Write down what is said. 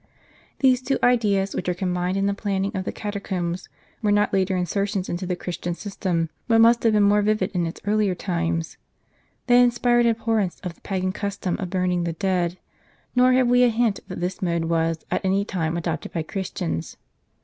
These two ideas, which are combined in the planning of the catacombs, were not later insertions into the Christian system, but must have been more vivid in its earlier times. They inspired abhorrence of the pagan custom of burning the dead ; nor have we a hint that this mode was, at any time, adopted by Christians.